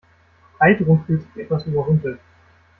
Heidrun fühlt sich etwas überrumpelt.